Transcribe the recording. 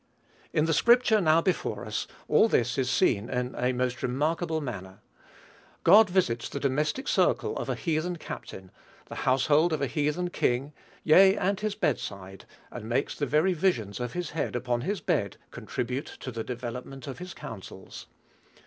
In the scripture now before us, all this is seen in a most remarkable manner. God visits the domestic circle of a heathen captain, the household of a heathen king, yea, and his bed side, and makes the very visions of his head upon his bed contribute to the development of his counsels.